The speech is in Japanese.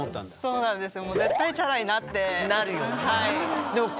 そうなんですよ。